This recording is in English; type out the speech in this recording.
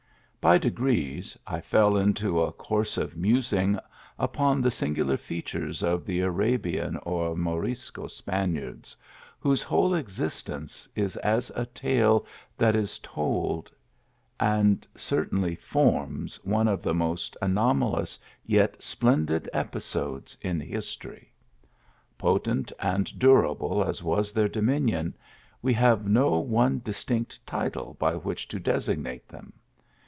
By degrees I fell into a course of musing upon the singular features of the Arabian or Morisco Spaniards, whose whole exist ence is as a tale that is told, and certainly forms one of the most anomalous yet splendid episodes in his tory. Potent and durable as was their dominion, we have no one distinct title by which to designate them.